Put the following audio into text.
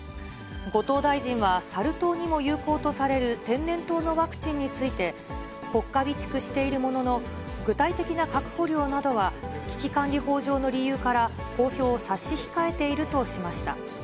後藤大臣は、サル痘にも有効とされる天然痘のワクチンについて、国家備蓄しているものの、具体的な確保量などは危機管理法上の理由から、公表を差し控えているとしました。